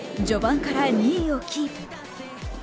序盤から２位をキープ。